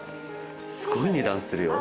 すごい値段するよ。